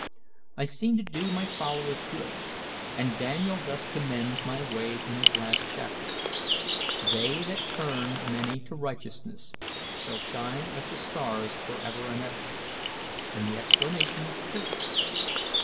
I seemed to do my followers good, and Daniel thus commends my way in his last chapter: 'They that turn many to righteousness shall shine as the stars forever and ever,' and the explanation is clear.